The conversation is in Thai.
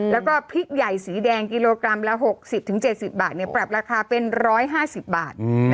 แล้วก็พริกใหญ่สีแดงกิโลกรัมละ๖๐๗๐บาทปรับราคาเป็น๑๕๐บาท